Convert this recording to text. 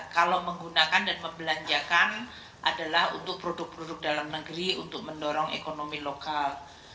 kalau menggunakan dan membelanjakan adalah untuk produk produk dalam negeri untuk mendorong ekonomi lokal